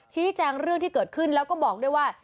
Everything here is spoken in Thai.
ชี้แจงเรื่องที่เกิดขึ้นแล้วก็บอกด้วยว่า